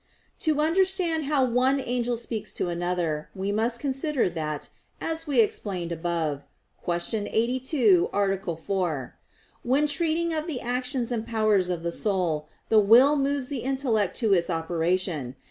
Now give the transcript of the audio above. To understand how one angel speaks to another, we must consider that, as we explained above (Q. 82, A. 4), when treating of the actions and powers of the soul, the will moves the intellect to its operation.